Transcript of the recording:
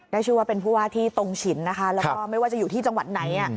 ได้ชื่อว่าเป็นผู้ว่าที่ตรงฉินนะคะแล้วก็ไม่ว่าจะอยู่ที่จังหวัดไหน